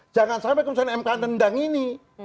jangan sampai kemudian mk nendang ini